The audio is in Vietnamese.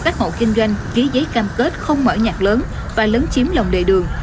các hộ kinh doanh ký giấy cam kết không mở nhạc lớn và lớn chiếm lồng đề đường